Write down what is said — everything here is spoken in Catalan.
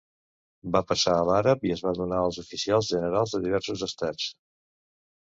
Va passar a l'àrab i es va donar als oficials generals de diversos estats.